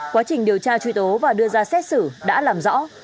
quá trình điều tra truy tố và đưa ra xét xử đã làm rõ